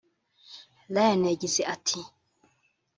Lion yagize ati